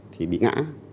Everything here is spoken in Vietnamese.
thì bị ngã